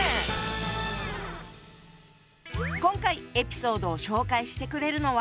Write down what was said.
今回エピソードを紹介してくれるのは。